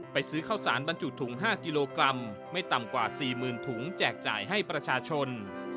ซื้อข้าวสารบรรจุถุง๕กิโลกรัมไม่ต่ำกว่า๔๐๐๐ถุงแจกจ่ายให้ประชาชน